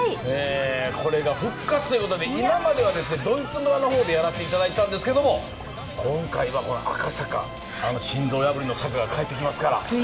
これが復活ということで、今まではドイツ村の方でやらせていただいたんですけれども、今回は赤坂、心臓破りの坂が帰ってきますから。